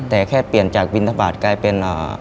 แต่แค่เปลี่ยนจากบินทบาทกลายเป็น